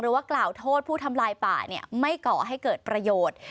ว่ากล่าวโทษผู้ทำลายป่าไม่ก่อให้เกิดประโยชน์